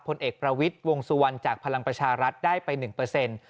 ผลเอกประวิทย์วงสุวรรณจากพลังประชารัฐได้ไปหนึ่งเปอร์เซ็นต์